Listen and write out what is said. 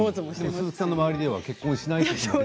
鈴木さんの周りでは結婚しないと。